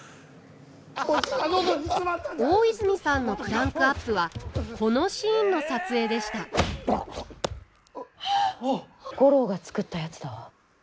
大泉さんのクランクアップはこのシーンの撮影でした五郎が作ったやつだわ。